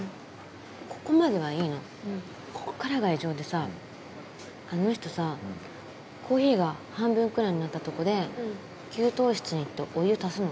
ここまではいいのここからが異常でさあの人さコーヒーが半分くらいになったとこで給湯室に行ってお湯足すの。